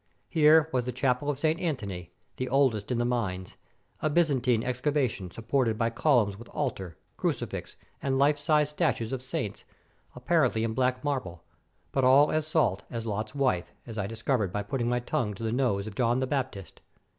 Here was the chapel of St. Anthony, the oldest in the mines — a Byzantine excavation, supported by columns with altar, crucifix, and life size statues of saints, apparently in black marble, but all as salt as Lot's wife, as I discovered by putting my tongue to the nose of John the Baptist.